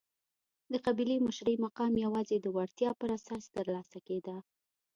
د قبیلې مشرۍ مقام یوازې د وړتیا پر اساس ترلاسه کېده.